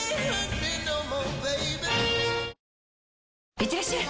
いってらっしゃい！